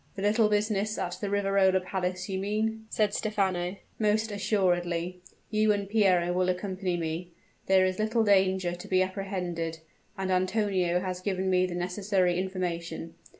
"The little business at the Riverola Palace, you mean?" said Stephano. "Most assuredly! You and Piero will accompany me. There is little danger to be apprehended; and Antonio has given me the necessary information.